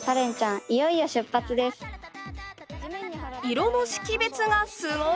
色の識別がすごい！